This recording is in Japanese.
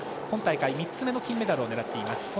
今大会３つ目の金メダルを狙っています。